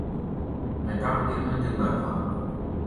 Mɛ dák ɛ́r-mɛ́ tɛ́ gbadua.